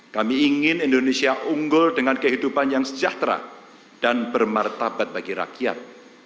kami ingin indonesia unggul dengan kehidupan yang sejahtera dan bermartabat bagi rakyat